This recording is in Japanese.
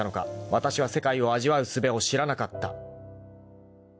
［わたしは世界を味わうすべを知らなかった］